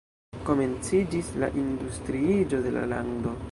Komenciĝis la industriiĝo de la lando.